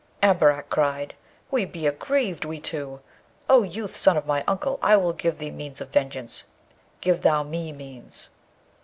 Abarak cried, 'We be aggrieved, we two! O youth, son of my uncle, I will give thee means of vengeance; give thou me means.'